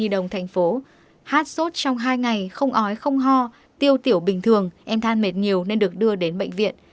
đồng thành phố hát sốt trong hai ngày không ói không ho tiêu tiểu bình thường em than mệt nhiều nên được đưa đến bệnh viện